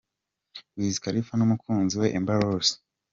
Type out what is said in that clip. Wiz Khalifa n'umukunzi we Amber Rose.